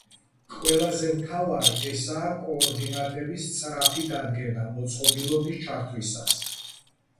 ყველაზე მთავარი ესაა კოორდინატების სწრაფი დადგენა მოწყობილობის ჩართვისას.